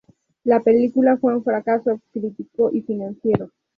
La película fue un fracaso crítico y financiero.